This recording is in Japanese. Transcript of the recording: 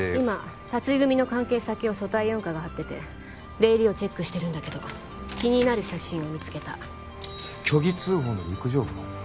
今辰井組の関係先を組対四課が張ってて出入りをチェックしてるんだけど気になる写真を見つけた虚偽通報の陸上部の？